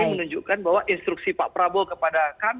ini menunjukkan bahwa instruksi pak prabowo kepada kami